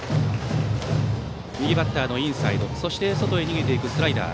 右バッターのインサイド外へ逃げていくスライダー。